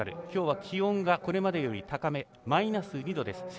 きょうは気温がこれまでより高めマイナス２度です。